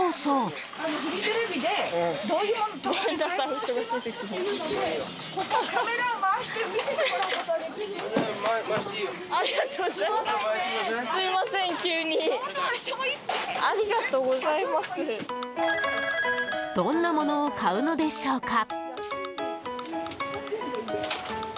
どんなものを買うのでしょうか。